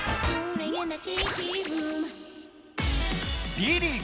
Ｂリーグ